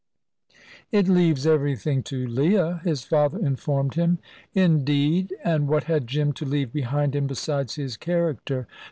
"It leaves everything to Leah," his father informed him. "Indeed! And what had Jim to leave behind him besides his character?"